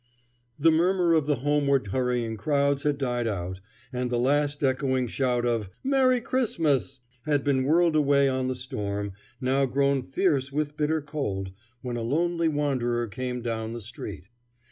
The murmur of the homeward hurrying crowds had died out, and the last echoing shout of "Merry Christmas!" had been whirled away on the storm, now grown fierce with bitter cold, when a lonely wanderer came down the street.